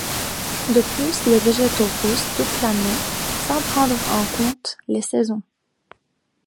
De plus les végétaux poussent toute l'année sans prendre en compte les saisons.